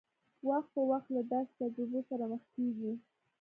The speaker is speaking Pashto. وخت په وخت له داسې تجربو سره مخ کېږي.